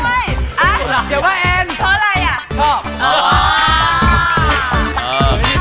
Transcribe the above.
เดี๋ยวก็เอ็น